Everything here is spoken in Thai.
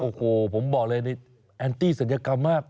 โอ้โหผมบอกเลยนี่แอนตี้ศัลยกรรมมาก